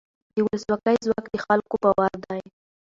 د ولسواکۍ ځواک د خلکو باور دی